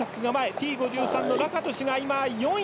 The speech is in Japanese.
Ｔ５３のラカトシュが４位。